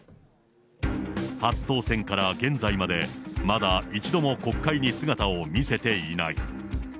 初当選から現在まで、まだ一度も国会に姿を見せていない。